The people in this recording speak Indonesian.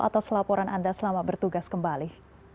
atas laporan anda selama bertugas kembali